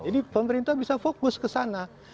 jadi pemerintah bisa fokus ke sana